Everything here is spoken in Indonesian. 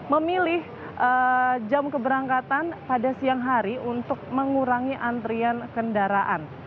memilih jam keberangkatan pada siang hari untuk mengurangi antrian kendaraan